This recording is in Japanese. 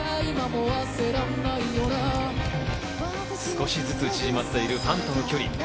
少しずつ縮まっているファンとの距離。